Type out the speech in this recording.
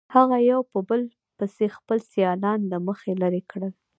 هغه یو په بل پسې خپل سیالان له مخې لرې کړل.